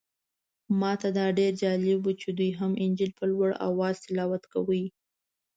ماته دا ډېر جالبه و چې دوی هم انجیل په لوړ اواز تلاوت کوي.